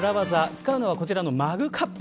使うのはこちらのマグカップ。